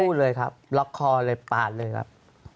เลยครับล็อกคอเลยปาดเลยครับ